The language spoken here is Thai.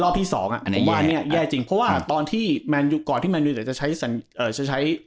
ที่สองอ่ะผมว่าอันนี้แย่จริงเพราะว่าตอนที่แมนยูก่อนที่แมนยูจะใช้จะใช้